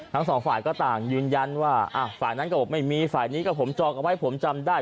ทั้งสองฝ่ายก็ต่างยืนยันว่าฝ่ายนั้นก็บอกไม่มีฝ่ายนี้ก็ผมจองเอาไว้ผมจำได้